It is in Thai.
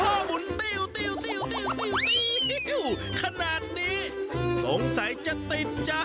โอ้โหคุณพ่อหมุนติ้วขนาดนี้สงสัยจะติดใจ